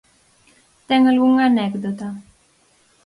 Ten algunha anécdota?